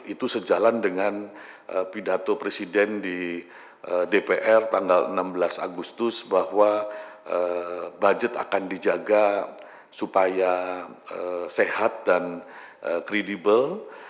itu sejalan dengan pidato presiden di dpr tanggal enam belas agustus bahwa budget akan dijaga supaya sehat dan kredibel